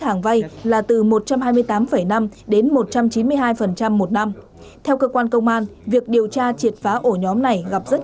hàng vay là từ một trăm hai mươi tám năm đến một trăm chín mươi hai một năm theo cơ quan công an việc điều tra triệt phá ổ nhóm này gặp rất